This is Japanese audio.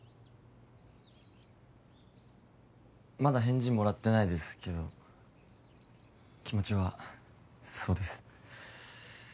まだ返事もらってないですけど気持ちはそうです